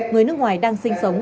người nước ngoài đang sinh sống